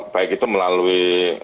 baik itu melalui